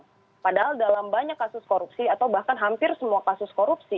nah itu maksimal dalam banyak kasus korupsi atau bahkan hampir semua kasus korupsi